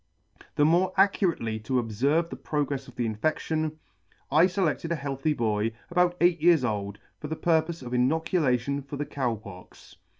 THE more accurately to obferve the progrefs of the infedtion, I feledted a healthy boy, about eight years old, for the purpofe of INOCULATION FOR THE COW POX.